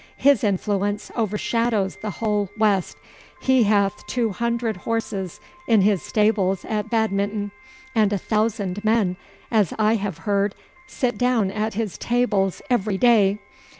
His influence overshadows the whole West. He hath two hundred horses in his stables at Badminton, and a thousand men, as I have heard, sit down at his tables every day.